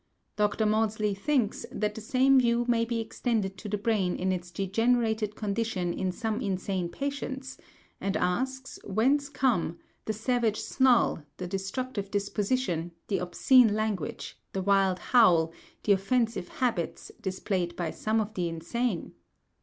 Dr. Maudsley thinks that the same view may be extended to the brain in its degenerated condition in some insane patients; and asks, whence come "the savage snarl, the destructive disposition, the obscene language, the wild howl, the offensive habits, displayed by some of the insane?